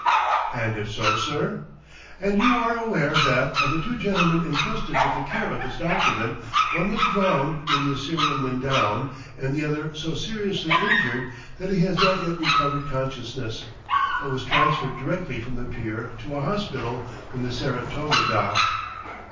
"And if so, sir...?" "And you are aware that, of the two gentlemen entrusted with the care of this document, one was drowned when the Assyrian went down, and the other so seriously injured that he has not yet recovered consciousness, but was transferred directly from the pier to a hospital when the Saratoga docked."